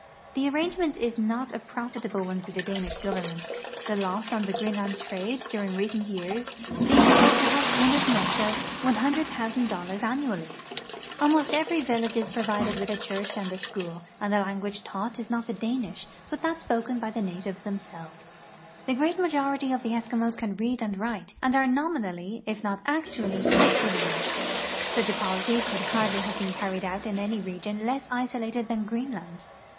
The arrangement is not a prof itable one to the Danish government, the loss on the (ireenland trade during recent years being said to have been as much as 101 A SUMMER VOYAGE TO THE ARCTIC $100,000 aanuall3\ Almost eveiy village is provided with a church and a school, and the language taught is not the Danish, but that spoken by the natives themselves. The great majority of the Eskimos can read and write and are nominally, if not actually, christianized. Such a policy could hardl}^ have been carried out in any region less isolated than Greenland.